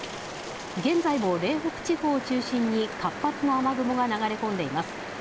現在も嶺北地方を中心に、活発な雨雲が流れ込んでいます。